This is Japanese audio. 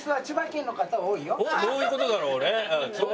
どういうことだろうね？